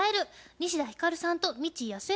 西田ひかるさんと未知やすえ